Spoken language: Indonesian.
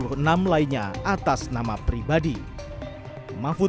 di antaranya abu toto dan abd freunde sallam